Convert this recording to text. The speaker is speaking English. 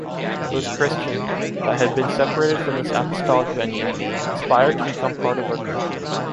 Those Christian, that had been separated from this apostolic venue, aspire to become part of our group.